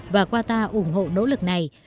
và qatar ủng hộ nỗ lực này